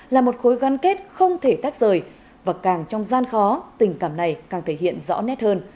là một khối gắn kết không thể tách rời và càng trong gian khó tình cảm này càng thể hiện rõ nét hơn